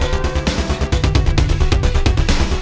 orang dari recita arkane